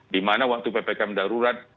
dimana waktu ppkm darurat